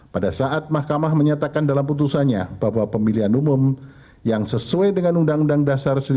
pada saat mahkamah menyatakan dalam putusannya bahwa pemilihan umum yang sesuai dengan pertanyaan konstitusional